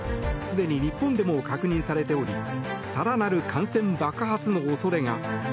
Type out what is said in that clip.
すでに日本でも確認されており更なる感染爆発の恐れが。